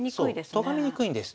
とがめにくいんです。